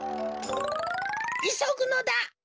いそぐのだ！